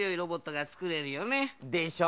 でしょ？